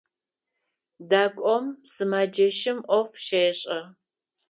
Дакӏом сымэджэщым ӏоф щешӏэ.